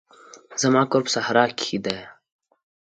زما کور په صحرا کښي دی.